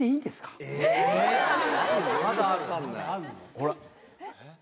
ほら。